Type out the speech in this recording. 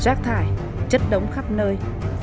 giác thải chất đóng khắp nơi